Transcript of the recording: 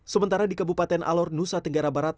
sementara di kabupaten alor nusa tenggara barat